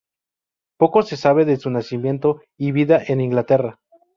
Poco se sabe de su nacimiento y vida en Inglaterra.